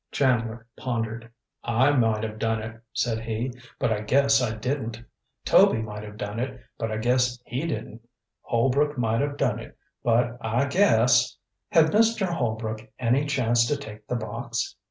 Chandler pondered. "I might have done it," said he; "but I guess I didn't. Toby might have done it; but I guess he didn't. Holbrook might have done it; but I guess " "Had Mr. Holbrook any chance to take the box?"